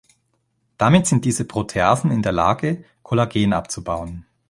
Damit sind diese Proteasen in der Lage, Kollagen abzubauen.